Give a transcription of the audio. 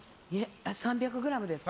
３００ｇですか。